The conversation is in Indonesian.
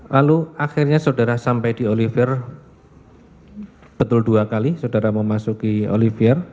lalu akhirnya saudara sampai di oliver betul dua kali saudara mau masuk ke oliver